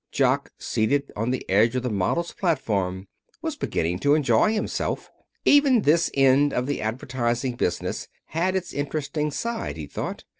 Jock, seated on the edge of the models' platform, was beginning to enjoy himself. Even this end of the advertising business had its interesting side, he thought.